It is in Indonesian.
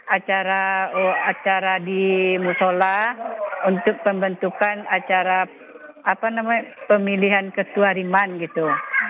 acara acara di musola untuk pembentukan acara pemilihan ketua hariman gitu